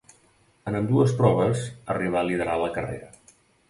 En ambdues proves arribà a liderar la carrera.